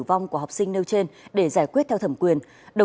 có nơi còn trên ba mươi bảy độ